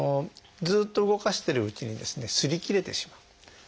ずっと動かしてるうちにですね擦り切れてしまう。